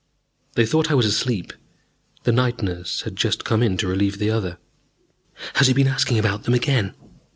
They thought I was asleep. The night nurse had just come in to relieve the other. "Has he been asking about them again?"